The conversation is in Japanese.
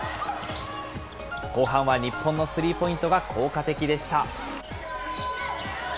後半は日本のスリーポイントが効果的でした。